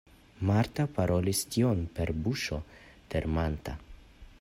Marta parolis tion per buŝo tremanta.